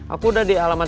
aku udah di alamat